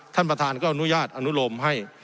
ท่านประธานก็อนุญาตอนุโลมให้